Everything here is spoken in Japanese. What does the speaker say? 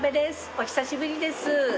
お久しぶりです。